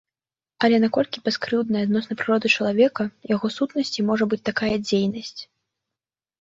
Але наколькі бяскрыўднай адносна прыроды чалавека, яго сутнасці можа быць такая дзейнасць?